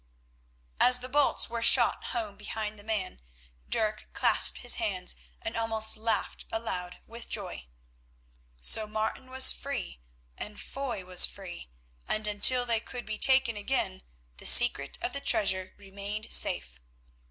As the bolts were shot home behind the man Dirk clasped his hands and almost laughed aloud with joy. So Martin was free and Foy was free, and until they could be taken again the secret of the treasure remained safe.